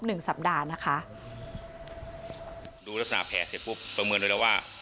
หนึ่งสัปดาห์นะคะดูลักษณะแผลเสร็จปุ๊บประเมินไว้แล้วว่า